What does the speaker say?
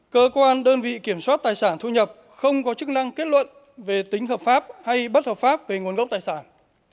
cơ quan đơn vị kiểm soát tài sản thu nhập không có chức năng kết luận về tính hợp pháp hay bất hợp pháp về nguồn gốc tài sản